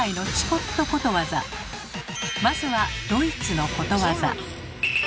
まずはドイツのことわざ。